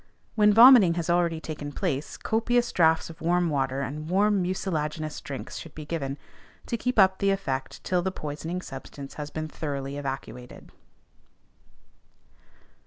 When vomiting has already taken place, copious draughts of warm water or warm mucilaginous drinks should be given, to keep up the effect till the poisoning substance has been thoroughly evacuated.